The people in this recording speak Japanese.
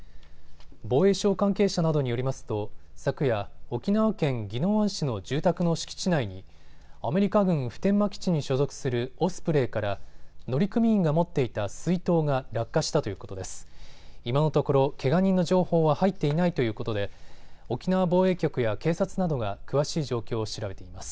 防衛省関係者などによりますと昨夜、沖縄県宜野湾市の住宅の敷地内にアメリカ軍普天間基地に所属するオスプレイから乗組員が持っていた水筒が落下したということです。